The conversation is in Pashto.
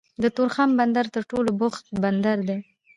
د تورخم بندر تر ټولو بوخت بندر دی